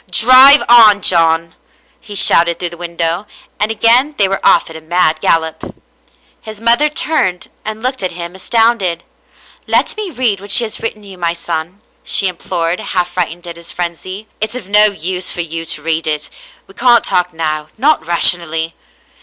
" Drive on, John," he shouted through the window, and again they were off at a mad gallop. His mother turned and looked at him astounded. " Let me read what she has written you, my son," she implored, half frightened at his frenzy. " It's of no use for you to read it. We can't talk now, not rationally."